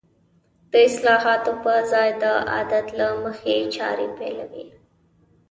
د اصلاحاتو په ځای د عادت له مخې چارې پيلوي.